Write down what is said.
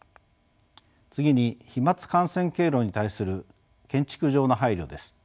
次に飛まつ感染経路に対する建築上の配慮です。